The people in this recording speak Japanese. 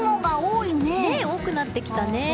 多くなってきたね。